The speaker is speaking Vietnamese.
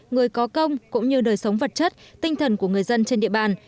người có công cũng như đời sống vật chất tinh thần của người dân trên địa bàn